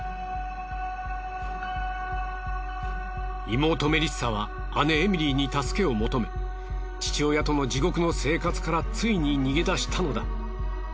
妹メリッサは姉エミリーに助けを求め父親との地獄の生活からついに逃げ出したのだ。